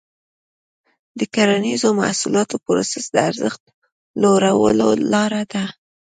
د کرنیزو محصولاتو پروسس د ارزښت لوړولو لاره ده.